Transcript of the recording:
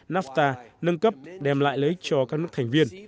nafta nâng cấp đem lại lợi ích cho các nước thành viên